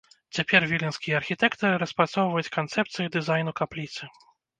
Цяпер віленскія архітэктары распрацоўваюць канцэпцыі дызайну капліцы.